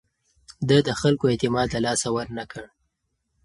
ده د خلکو اعتماد له لاسه ورنه کړ.